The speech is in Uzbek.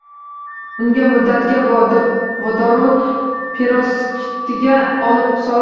Unga muddatga vodorod peroksidiga solib qo'ying